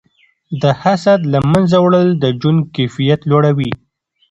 د حسد له منځه وړل د ژوند کیفیت لوړوي.